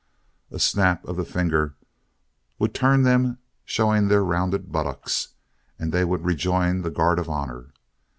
A snap of the finger would turn them, showing their rounded buttocks, and they would rejoin the guard of honor.